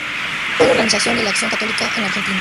Fue el organizador de la Acción Católica en la Argentina.